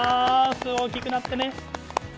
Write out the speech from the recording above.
大きくなってね！